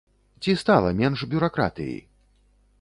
Ці стала менш бюракратыі?